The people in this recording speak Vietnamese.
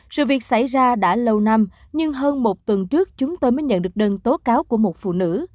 sự việc xảy ra đã lâu năm nhưng hơn một tuần trước chúng tôi mới nhận được đơn tố cáo của một phụ nữ